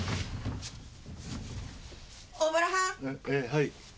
はい。